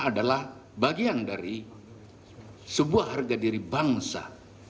adalah bagian dari sebuah harga diri bangsa